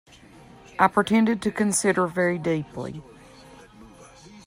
I pretended to consider very deeply.